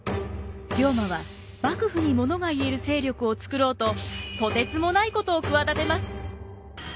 龍馬は幕府にものが言える勢力を作ろうととてつもないことを企てます！